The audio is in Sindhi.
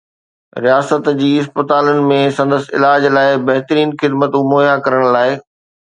رياست جي اسپتالن ۾ سندس علاج لاء بهترين خدمتون مهيا ڪرڻ لاء